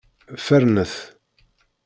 Fernet!